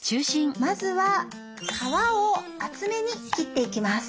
まずは皮を厚めに切っていきます。